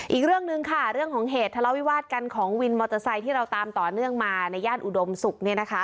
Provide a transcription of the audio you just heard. อีกเรื่องหนึ่งค่ะเรื่องของเหตุทะเลาวิวาสกันของวินมอเตอร์ไซค์ที่เราตามต่อเนื่องมาในย่านอุดมศุกร์เนี่ยนะคะ